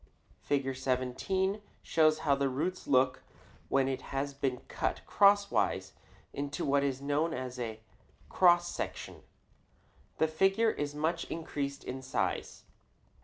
Fig. 17 shows how a root looks when it has been cut crosswise into what is known as a cross section. The figure is much increased in size.